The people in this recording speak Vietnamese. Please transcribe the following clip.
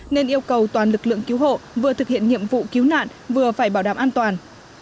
nên yêu cầu toàn lực lượng cứu hộ vừa thực hiện nhiệm vụ cứu nạn vừa phải bảo đảm an toàn